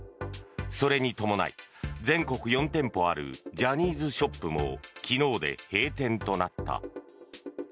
それに伴い、全国４店舗あるジャニーズショップも昨日で閉店となった。